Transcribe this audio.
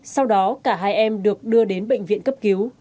sau đó cả hai em được đưa đến bệnh viện cấp cứu